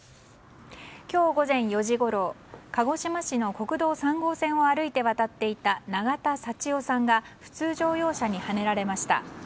今日午前４時ごろ鹿児島市の国道３号線を歩いて渡っていた永田幸男さんが普通乗用車にはねられました。